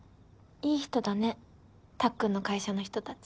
いい人だねたっくんの会社の人たち。